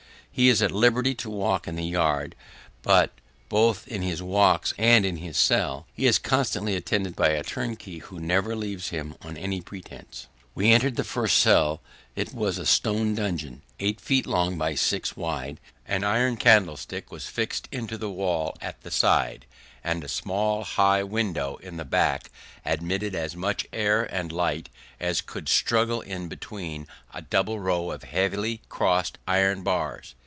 He is at liberty to walk in the yard; but, both in his walks and in his cell, he is constantly attended by a turnkey who never leaves him on any pretence. We entered the first cell. It was a stone dungeon, eight feet long by six wide, with a bench at the upper end, under which were a common rug, a bible, and prayer book. An iron candlestick was fixed into the wall at the side; and a small high window in the back admitted as much air and light as could struggle in between a double row of heavy, crossed iron bars.